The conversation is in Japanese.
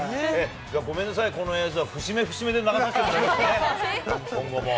ごめんなさい、この映像は節目節目で流させてもらいます、今後も。